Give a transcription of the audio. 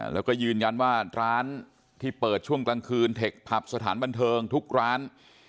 แล้วก็ยืนยันว่าร้านที่เปิดช่วงกลางคืนเทคผับสถานบันเทิงทุกร้าน